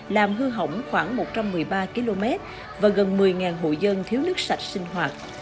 làm hư hỏng khoảng một trăm một mươi ba km và gần một mươi hộ dân thiếu nước sạch sinh hoạt